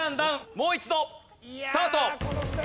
もう一度スタート。